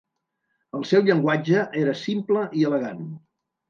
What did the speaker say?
El seu llenguatge era simple i elegant.